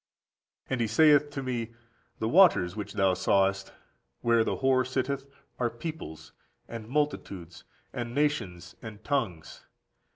39. "And he saith to me, The waters which thou sawest, where the whore sitteth, are peoples, and multitudes, and nations, and tongues.